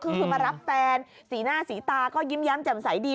คือมารับแฟนสีหน้าสีตาก็ยิ้มแย้มแจ่มใสดี